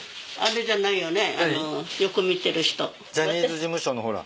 ジャニーズ事務所のほら。